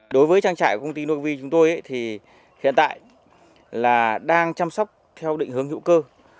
đối với trang trại của công ty novi chúng tôi thì hiện tại là đang chăm sóc theo định hướng hữu cơ